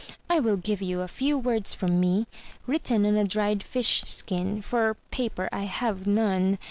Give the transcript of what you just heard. I will give you a few words from me, written on a dried fish skin, for paper I have none.